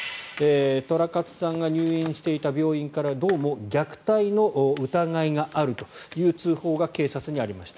寅勝さんが入院していた病院からどうも虐待の疑いがあるという通報が警察にありました。